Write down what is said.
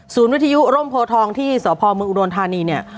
ศูนย์วิทยุโรมโพทองที่สวพเมืองอุรณฑานีเนี่ย